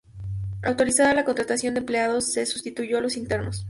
Autorizada la contratación de empleados, que sustituyó a los internos.